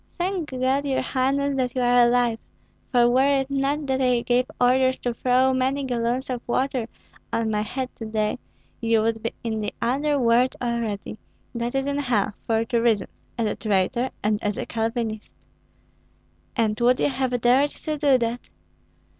Thank God, your highness, that you are alive; for were it not that I gave orders to throw many gallons of water on my head to day, you would be in the other world already, that is, in hell, for two reasons, as a traitor and as a Calvinist." "And would you have dared to do that?"